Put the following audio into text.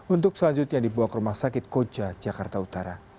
untuk selanjutnya dibawa ke rumah sakit koja jakarta utara